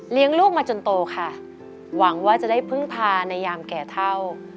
ลูกมาจนโตค่ะหวังว่าจะได้พึ่งพาในยามแก่เท่า